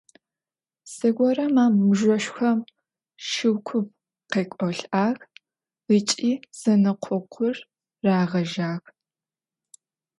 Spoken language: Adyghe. Зэгорэм а мыжъошхом шыу куп къекӏолӏагъ ыкӏи зэнэкъокъур рагъэжьагъ.